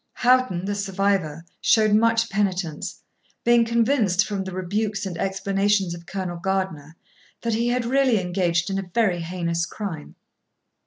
Houghton, the survivor, showed much penitence, being convinced, from the rebukes and explanations of Colonel Gardiner, that he had really engaged in a very heinous crime.